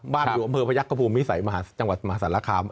บ้านอยู่บริเวณอำเภอพระยักษ์ภูมิวิศัยจังหวัดหาสรรคาม